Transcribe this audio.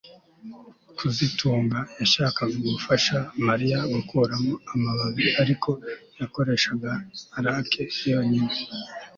kazitunga yashakaga gufasha Mariya gukuramo amababi ariko yakoreshaga rake yonyine